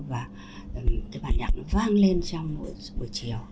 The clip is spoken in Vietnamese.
và cái bản nhạc nó vang lên trong mỗi buổi chiều